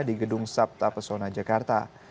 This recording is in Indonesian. di gedung sabta pesona jakarta